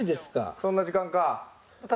そんな時間か。